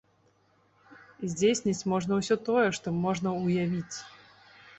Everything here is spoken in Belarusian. Здзейсніць можна ўсё тое, што можна ўявіць.